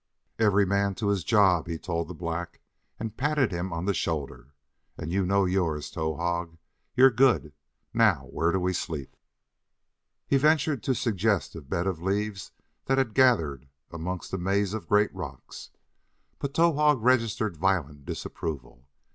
"Every man to his job," he told the black, and patted him on the shoulder, "and you know yours, Towahg, you're good! Now, where do we sleep?" He ventured to suggest a bed of leaves that had gathered amongst a maze of great rocks, but Towahg registered violent disapproval.